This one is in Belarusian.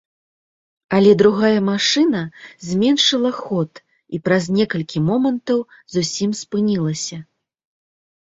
Але другая машына зменшыла ход і праз некалькі момантаў зусім спынілася.